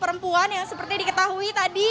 perempuan yang seperti diketahui tadi